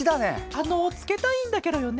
あのつけたいんだケロよね。